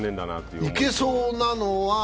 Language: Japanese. いけそうなのは？